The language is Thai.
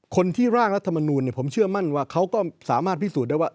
คนที่ร่างรัฐมนูลผมเชื่อมั่นว่าเขาก็สามารถพิสูจน์ได้ว่า